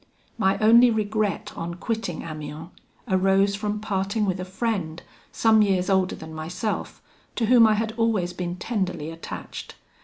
"My only regret on quitting Amiens arose from parting with a friend, some years older than myself, to whom I had always been tenderly attached.